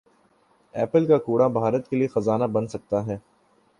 apple کا کوڑا بھارت کیلئے خزانہ بن سکتا ہے